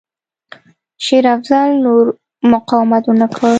شېر افضل نور مقاومت ونه کړ.